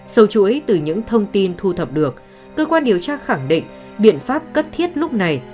sâu chuỗi từ những thông tin thu thập được cơ quan điều tra khẳng định biện pháp cấp thiết lúc này